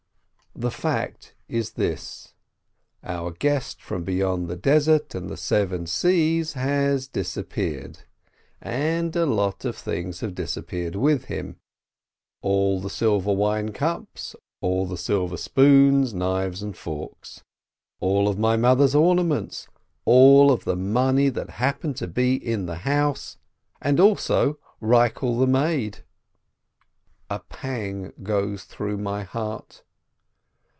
The fact is this: our guest from beyond the desert and the seven seas has disappeared, and a lot of things have disappeared with him: all the silver wine cups, all the silver spoons, knives, and forks; all my mother's ornaments, all the money that happened to be in the house, and also Eikel the maid ! THE PASSOVER GUEST 161 A pang goes through my heart.